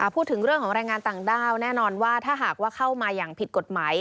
พูดถึงเรื่องของแรงงานต่างด้าวแน่นอนว่าถ้าหากว่าเข้ามาอย่างผิดกฎหมาย